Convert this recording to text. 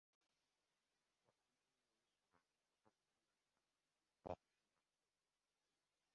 yoqimtoy bo‘lish san’ati faqat bir narsani — xohishni talab qiladi.